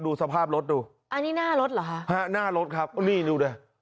ดูสภาพรถดูอันนี้หน้ารถเหรอฮะฮะหน้ารถครับนี่ดูดิ